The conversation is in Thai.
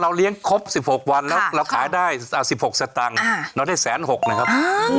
ผ่านไป๑๖วันแล้วเป็นยังไงบ้างครับ